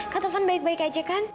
katovan baik baik aja kan